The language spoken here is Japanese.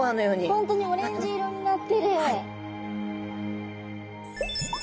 本当にオレンジ色になってる。